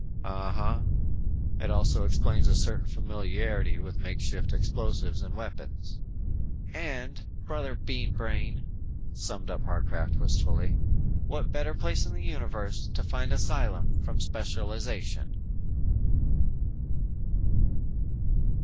"Uh huh. It also explains a certain familiarity with makeshift explosives and weapons." "And, brother Bean Brain," summed up Harcraft wistfully. "What better place in the universe to find asylum from specialization."